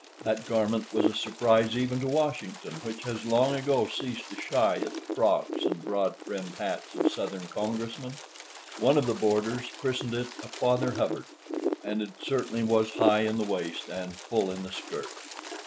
That garment was a surprise even to Washington, which has long ago ceased to shy at the frocks and broad brimmed hats of Southern Congressmen. One of the boarders christened it a "Father Hubbard," and it certainly was high in the waist and full in the skirt.